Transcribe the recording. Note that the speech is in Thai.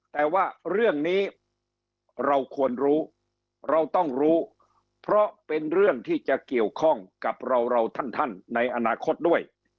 แต่ว่าเรื่องนี้เราควรรู้เราต้องรู้เพราะเป็นเรื่องที่จะเกี่ยวข้องกับเราเราท่านในอนาคตด้วย